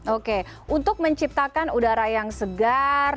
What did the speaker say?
oke untuk menciptakan udara yang segar